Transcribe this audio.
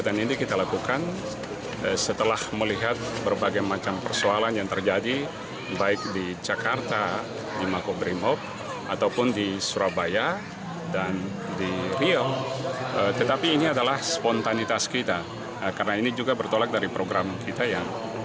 dan itu juga adalah bagian daripada toleransi antara umat beragama